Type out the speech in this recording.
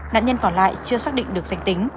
nạn nhân còn lại chưa xác định được danh tính